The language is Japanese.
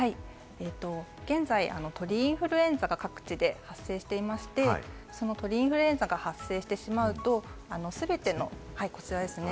現在、鳥インフルエンザが各地で発生していまして、その鳥インフルエンザが発生してしまうと、こちらですね。